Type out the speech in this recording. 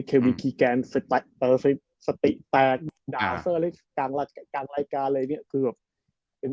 เควีคีแกนสติแตนด่าเซอร์เล็กซูซันกลางรายการอะไรอย่างนี้